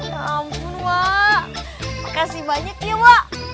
ya ampun wak makasih banyak ya wak